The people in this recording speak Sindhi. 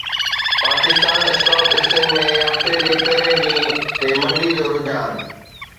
پاڪستان اسٽاڪ ايڪسچينج ۾ هفتي جي پهرين ڏينهن تي مندي جو رجحان